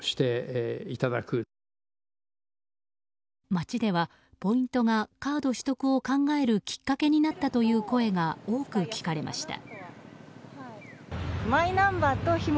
街ではポイントがカード取得を考えるきっかけになったという声が多く聞かれました。